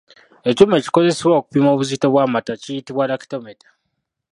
Ekyuma ekikozesebwa okupima obuzito bw’amata kiyitibwa “lactometer”.